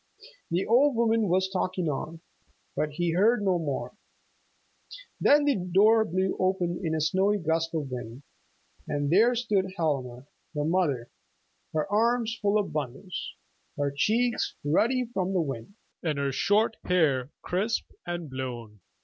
The old woman was talking on, but he heard no more. Then the door blew open in a snowy gust of wind, and there stood Helma, the mother, her arms full of bundles, her cheeks ruddy from the wind, and her short hair crisp and blown.